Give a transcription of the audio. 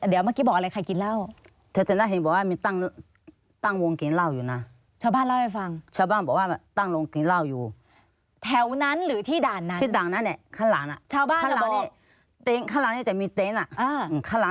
เดี๋ยวเมื่อกี้บอกอะไรใครกินเหล้า